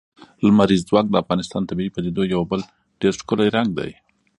لمریز ځواک د افغانستان د طبیعي پدیدو یو بل ډېر ښکلی رنګ دی.